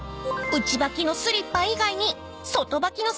［内履きのスリッパ以外に外履きのサンダルも］